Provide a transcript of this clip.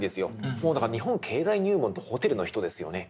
もうだから「日本経済入門」と「ＨＯＴＥＬ」の人ですよね。